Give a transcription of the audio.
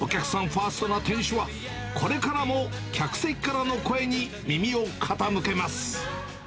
ファーストな店主は、これからも客席からの声に耳を傾けます。